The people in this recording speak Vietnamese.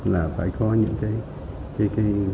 là phải có những mối quan hệ